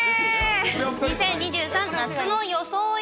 ２０２３夏の装い。